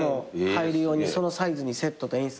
入る用にそのサイズにセットと演出合わせて。